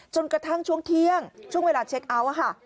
จนกระทั่งช่วงเที่ยงช่วงเวลาเช็คเอาท์ค่ะ